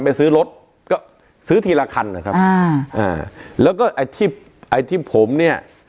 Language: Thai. ไปซื้อรถก็ซื้อทีละคันนะครับอ่าอ่าแล้วก็ไอ้ที่ไอ้ที่ผมเนี่ย